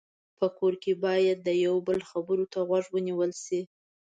په کور کې باید د یو بل خبرو ته غوږ ونیول شي.